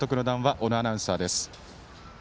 小野アナウンサーです。